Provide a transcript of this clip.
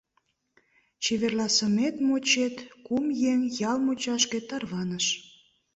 Чеверласымет-мочет, кум еҥ ял мучашке тарваныш.